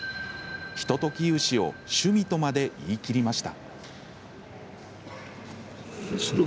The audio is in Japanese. ひととき融資を趣味とまで言い切りました。